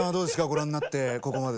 ご覧になってここまで。